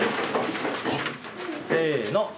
せの。